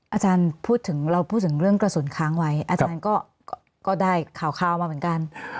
อาจารย์พูดถึงเราพูดถึงเรื่องกระสุนค้างไว้อาจารย์ก็ได้ข่าวมาเหมือนกัน